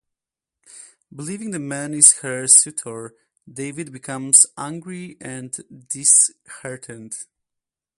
Believing the man is her suitor, David becomes angry and disheartened.